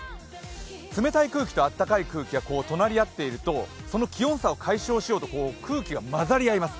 冷たい空気と暖かい空気が隣り合っているとその気温差を解消しようと空気が混ざり合います。